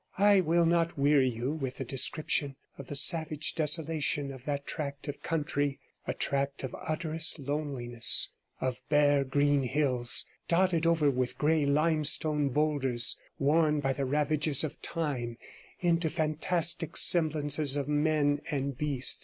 I will not weary you with a description of the savage desolation of that tract of country, a tract of utterest loneliness, of bare green hills dotted over with grey limestone boulders, worn by the ravages of time into fantastic semblances of men and beast.